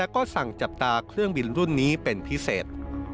ก็สั่งจับตาเครื่องบินรุ่นนี้เป็นพิเศษ